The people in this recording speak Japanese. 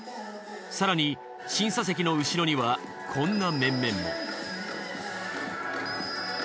更に審査席の後ろにはこんな面々も。